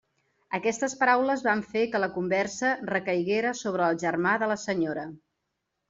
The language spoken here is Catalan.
Aquestes paraules van fer que la conversa recaiguera sobre el germà de la senyora.